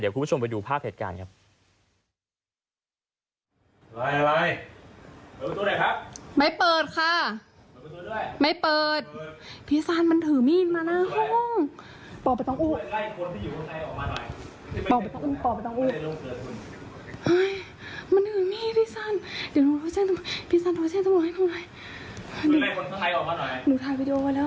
คุณผู้ชมไปดูภาพเหตุการณ์ครับ